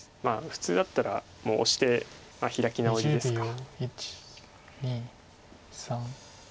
普通だったらもうオシて開き直りですか。